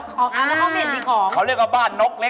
เขามีอันดีของ